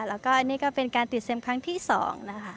แล้วก็นี่ก็เป็นการติดเซ็มครั้งที่๒นะคะ